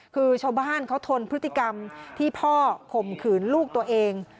คือชาวบ้านเขาทนพฤติกรรมที่พ่อข่มขืนลูกตัวเอง